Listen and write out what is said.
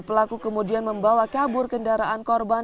pelaku kemudian membawa kabur kendaraan korban